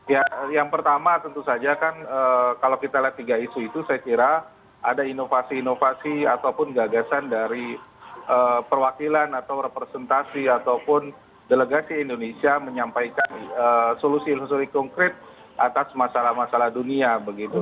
ya yang pertama tentu saja kan kalau kita lihat tiga isu itu saya kira ada inovasi inovasi ataupun gagasan dari perwakilan atau representasi ataupun delegasi indonesia menyampaikan solusi solusi konkret atas masalah masalah dunia begitu